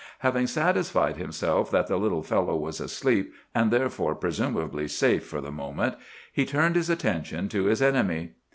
Having satisfied himself that the little fellow was asleep, and therefore presumably safe for the moment, he turned his attention to his enemy.